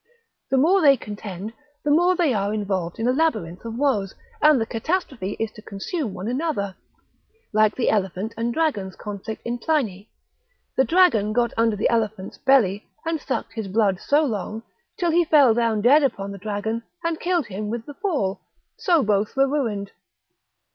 The more they contend, the more they are involved in a labyrinth of woes, and the catastrophe is to consume one another, like the elephant and dragon's conflict in Pliny; the dragon got under the elephant's belly, and sucked his blood so long, till he fell down dead upon the dragon, and killed him with the fall, so both were ruined.